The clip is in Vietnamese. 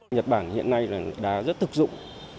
nhật bản hiện nay là đá rất thực dụng